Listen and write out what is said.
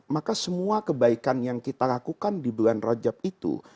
maka semua kebaikan yang kita lakukan di bulan rajab itu